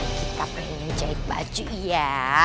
kita pengen jahit baju iya